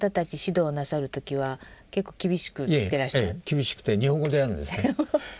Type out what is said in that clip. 厳しくて日本語でやるんですね。